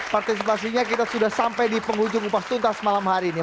partisipasinya kita sudah sampai di penghujung upas tuntas malam hari ini